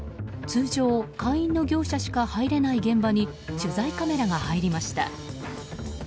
通常、会員の業者しか入れない現場に取材カメラが入りました。